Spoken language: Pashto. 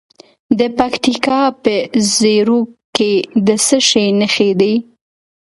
د پکتیکا په زیروک کې د څه شي نښې دي؟